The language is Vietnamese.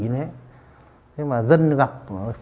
nhưng mà dân gặp